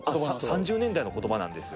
３０年代のことばなんですよ。